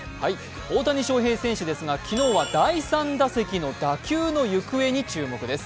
大谷翔平選手ですが、昨日は第３打席の打球の行方に注目です。